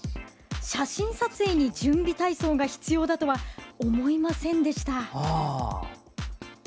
写真撮影に準備体操が必要だとは思いませんでした。